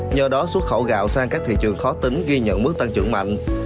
nhờ đó xuất khẩu gạo sang các thị trường khó tính ghi nhận mức tăng trưởng mạnh